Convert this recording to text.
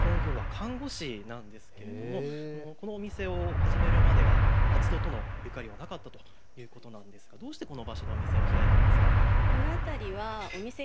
星さんの本業は看護師なんですがこの店を始めるまでは松戸とのゆかりはなかったということなんですが、どうしてこの場所で店を開いたんですか。